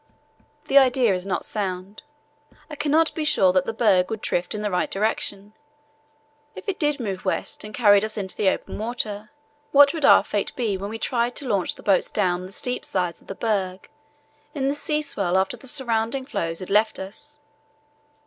The idea is not sound. I cannot be sure that the berg would drift in the right direction. If it did move west and carried us into the open water, what would be our fate when we tried to launch the boats down the steep sides of the berg in the sea swell after the surrounding floes had left us?